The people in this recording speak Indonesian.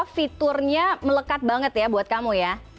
fiturnya melekat banget ya buat kamu ya